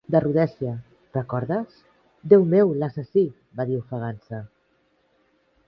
"De Rhodèsia, recordes?". "Déu meu, l'assassí!!" va dir ofegant-se.